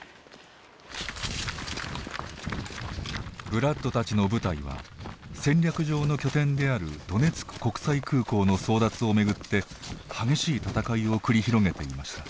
ブラッドたちの部隊は戦略上の拠点であるドネツク国際空港の争奪をめぐって激しい戦いを繰り広げていました。